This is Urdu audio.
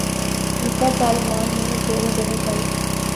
یہ کب پارلیمان میں زیر بحث آئی؟